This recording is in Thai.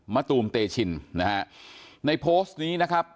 ตูมเตชินนะฮะในโพสต์นี้นะครับ